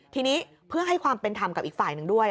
ทีนี้เพื่อให้ความเป็นธรรมกับอีกฝ่ายหนึ่งด้วย